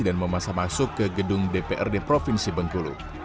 dan memasak masuk ke gedung dprd provinsi bengkulu